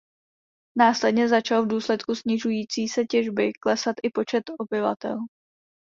Následně začal v důsledku snižující se těžby klesat i počet obyvatel.